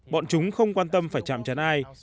bọn chúng không quan tâm phải chạm chắn ai